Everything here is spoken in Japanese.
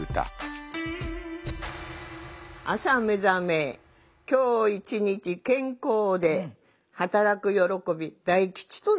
「朝めざめ今日一日健康で働くよろこび大吉となり」。